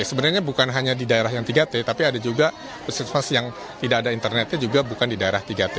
sebenarnya bukan hanya di daerah yang tiga t tapi ada juga puskesmas yang tidak ada internetnya juga bukan di daerah tiga t